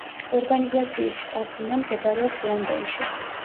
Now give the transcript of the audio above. ორგანიზაციის შტაბ-ბინა მდებარეობს ლონდონში.